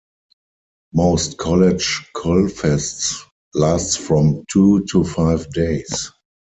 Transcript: Most college culfests last from two to five days.